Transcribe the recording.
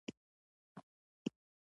دوی دولتي مقامونه د ځان لپاره ځانګړي کوي.